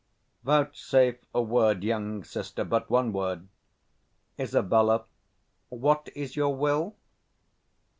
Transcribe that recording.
_ Vouchsafe a word, young sister, but one word. Isab. What is your will?